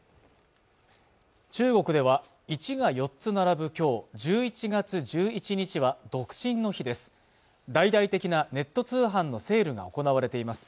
中国では１が４つ並ぶきょう１１月１１日は独身の日です